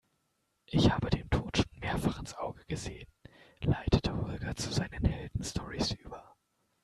Ich habe dem Tod schon mehrfach ins Auge gesehen, leitete Holger zu seinen Heldenstorys über.